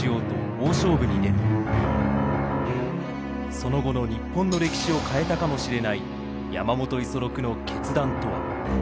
その後の日本の歴史を変えたかもしれない山本五十六の決断とは。